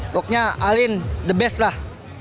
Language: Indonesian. pokoknya alin the best lah